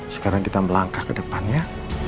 sekarang kita melangkah ke depannya